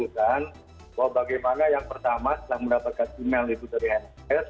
bahwa bagaimana yang pertama setelah mendapatkan email itu dari nss